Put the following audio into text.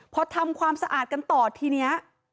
พอทำความสะอาดกันต่อทีนี้